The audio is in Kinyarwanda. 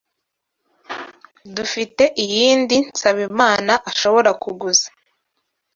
Dufite iyindi Nsabimana ashobora kuguza?